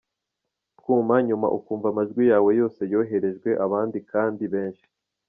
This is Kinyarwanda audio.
twuma, nyuma ukumva amajwi yawe yose yoherejwe abandi kandi benshi.